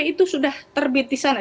karena itu sudah terbit di sana